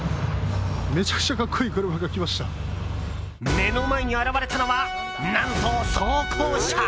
目の前に現れたのは何と装甲車。